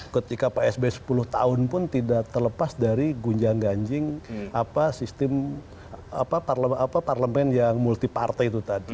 ketika psb sepuluh tahun pun tidak terlepas dari gunjang ganjing sistem apa parlemen yang multi partai